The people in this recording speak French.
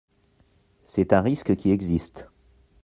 C’est un risque qui existe.